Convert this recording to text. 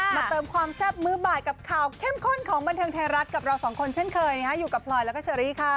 เติมความแซ่บมื้อบ่ายกับข่าวเข้มข้นของบันเทิงไทยรัฐกับเราสองคนเช่นเคยอยู่กับพลอยแล้วก็เชอรี่ค่ะ